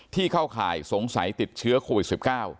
เข้าข่ายสงสัยติดเชื้อโควิด๑๙